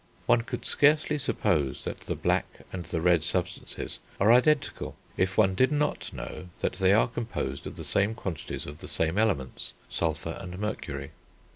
One could scarcely suppose that the black and the red substances are identical, if one did not know that they are composed of the same quantities of the same elements, sulphur and mercury.